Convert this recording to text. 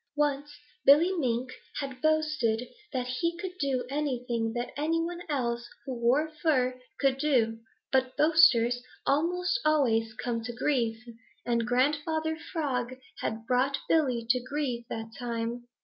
Once Billy Mink had boasted that he could do anything that any one else who wore fur could do, but boasters almost always come to grief, and Grandfather Frog had brought Billy to grief that time.